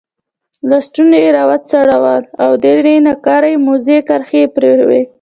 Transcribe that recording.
لستوڼی یې را وڅرخاوه او درې نقره یي موازي کرښې یې پرې وې.